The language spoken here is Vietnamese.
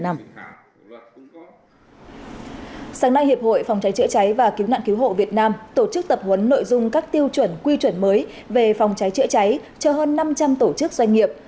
sáng nay hiệp hội phòng cháy chữa cháy và cứu nạn cứu hộ việt nam tổ chức tập huấn nội dung các tiêu chuẩn quy chuẩn mới về phòng cháy chữa cháy cho hơn năm trăm linh tổ chức doanh nghiệp